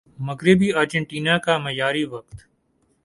مغربی ارجنٹینا کا معیاری وقت